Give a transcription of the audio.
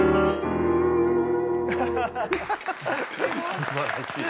すばらしい。